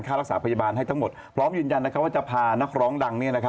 รักษาพยาบาลให้ทั้งหมดพร้อมยืนยันว่าจะพานักร้องดัง